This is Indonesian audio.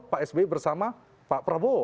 pak sby bersama pak prabowo